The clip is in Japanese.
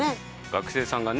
学生さんがね